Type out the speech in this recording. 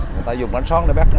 người ta dùng đánh son để bắt